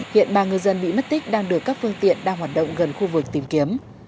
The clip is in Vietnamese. hiện ba ngư dân bị mất tích đang được các phương tiện đang hoạt động gần khu vực tìm kiếm